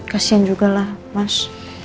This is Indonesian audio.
kasihan juga lah mas